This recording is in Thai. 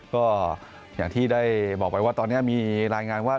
ก็อย่างที่ได้บอกไว้ว่าตอนนี้มีรายงานว่า